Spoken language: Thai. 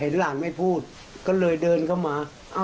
เหมือนกัน